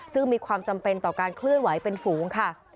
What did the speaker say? ซึ่งมีความจำเป็นต่อการเคลื่อนไหวเป็นฝูงค่ะ